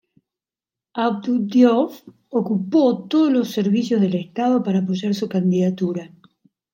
Abdou Diouf ocupó todos los servicios del estado para apoyar su candidatura.